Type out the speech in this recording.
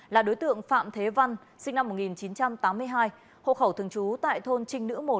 là đối tượng phạm thế văn sinh năm một nghìn chín trăm tám mươi hai hộ khẩu thường trú tại thôn trinh nữ một